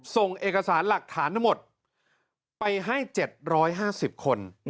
ส่งเอกสารหลักฐานทั้งหมดไปให้๗๕๐คน